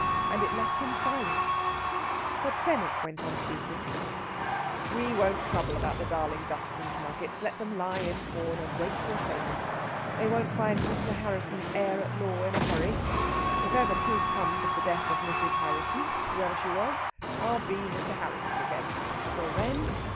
And it left him silent; but Fenwick went on speaking: "We won't trouble about the darling dust and nuggets; let them lie in pawn, and wait for a claimant. They won't find Mr. Harrisson's heir at law in a hurry. If ever proof comes of the death of Mrs. Harrisson whoever she was I'll be Mr. Harrisson again. Till then...."